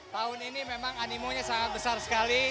tahun ini memang animonya sangat besar sekali